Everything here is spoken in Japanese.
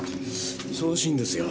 忙しいんですよ。